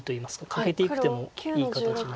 カケていく手もいい形になります。